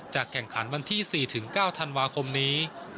แข่งขันวันที่๔๙ธันวาคมนี้